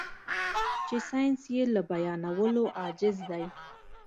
چې ساينس يې له بيانولو عاجز دی.